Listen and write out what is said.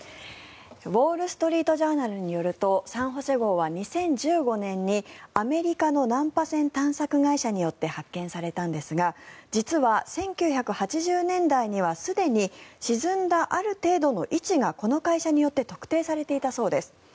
ウォール・ストリート・ジャーナルによると「サン・ホセ号」は２０１５年にアメリカの難破船探索会社によって発見されたんですが実は、１９８０年代にはすでに沈んだある程度の位置がこの会社によって特定されていたそうです。